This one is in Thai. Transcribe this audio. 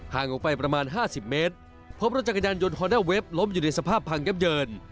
ออกไปประมาณ๕๐เมตรพบรถจักรยานยนต์ฮอนด้าเว็บล้มอยู่ในสภาพพังยับเยิน